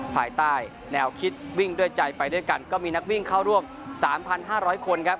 ภายใต้แนวคิดวิ่งด้วยใจไปด้วยกันก็มีนักวิ่งเข้าร่วม๓๕๐๐คนครับ